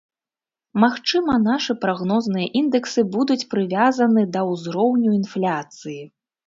Магчыма, нашы прагнозныя індэксы будуць прывязаны да ўзроўню інфляцыі.